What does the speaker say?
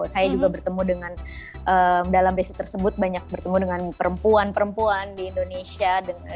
saya juga bertemu dengan dalam research tersebut banyak bertemu dengan perempuan perempuan di indonesia